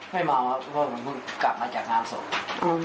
ไม่เมาครับเพราะก็กลับมาจากงานศพ